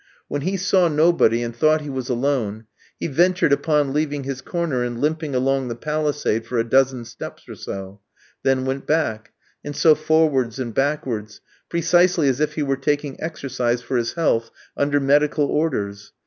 When he saw nobody, and thought he was alone, he ventured upon leaving his corner and limping along the palisade for a dozen steps or so, then went back; and so forwards and backwards, precisely as if he were taking exercise for his health under medical orders.